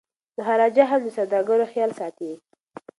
مهاراجا هم د سوداګرو خیال ساتي.